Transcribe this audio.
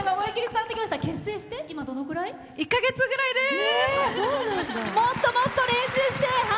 １か月ぐらいです！